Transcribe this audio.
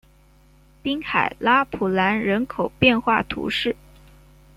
滨海拉普兰人口变化图示